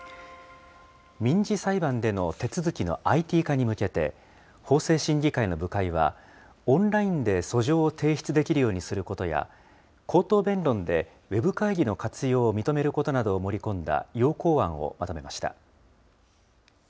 民事裁判での手続きのＩＴ化に向けて、法制審議会の部会は、オンラインで訴状を提出できるようにすることや、口頭弁論でウェブ会議の活用を認めることなどを盛り込んだ要綱案をまとめました。